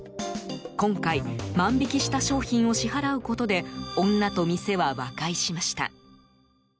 今回万引きした商品を支払うことで女と和解しました。